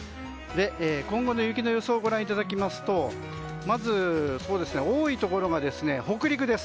今後の雪の予想をご覧いただきますと多いところが北陸です。